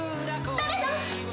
誰だ？